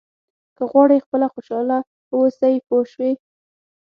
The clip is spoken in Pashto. که غواړئ خپله خوشاله واوسئ پوه شوې!.